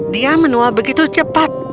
dia menua begitu cepat